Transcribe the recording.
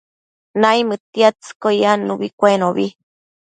naimëdtiadtsëcquio yannubi cuenobi